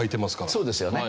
そうですよね。